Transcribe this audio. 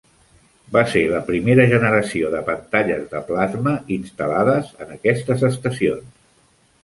Va ser la primera generació de pantalles de plasma instal·lades en aquestes estacions.